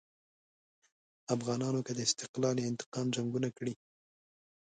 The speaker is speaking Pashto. افغانانو که د استقلال یا انتقام جنګونه کړي.